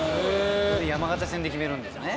山形戦で決めるんですね。